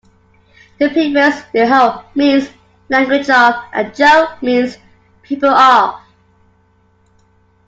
The prefix "dho" means "language of" and "jo" means "people of".